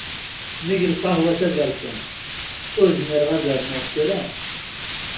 Nnig lqahwa taberkant, ur zmireɣ ad rnuɣ kra.